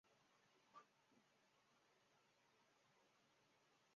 市一级和州一级政府共用一套人员。